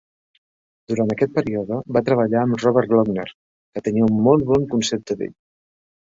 Durant aquest període va treballar amb Robert Lochner, que tenia un molt bon concepte d'ell.